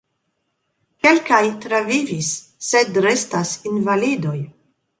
Kelkaj travivis sed restas invalidoj.